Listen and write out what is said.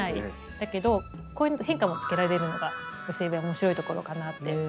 だけどこういう変化をつけられるのが寄せ植えの面白いところかなって。